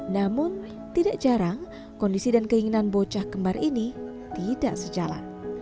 namun tidak jarang kondisi dan keinginan bocah kembar ini tidak sejalan